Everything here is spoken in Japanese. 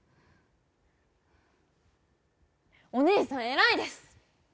お姉さん偉いです！